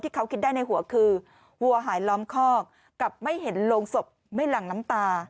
เขาคิดได้ในหัวคือวัวหายล้อมคอกกับไม่เห็นโรงศพไม่หลั่งน้ำตา